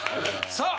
さあ